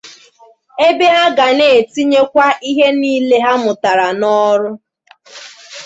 ebe ha ga na-etinyekwa ihe niile ha mụtara n'ọrụ